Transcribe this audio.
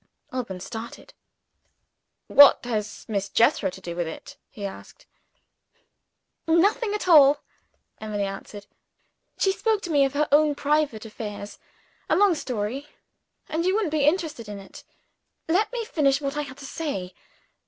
Alban started. "What has Miss Jethro to do with it?" he asked. "Nothing at all," Emily answered. "She spoke to me of her own private affairs. A long story and you wouldn't be interested in it. Let me finish what I had to say.